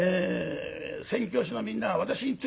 「宣教師のみんな私についてくるか？」